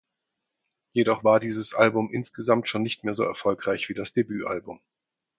Jedoch war dieses Album insgesamt schon nicht mehr so erfolgreich wie das Debütalbum.